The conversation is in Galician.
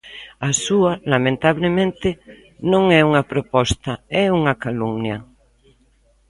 A súa, lamentablemente, non é unha proposta, é unha calumnia.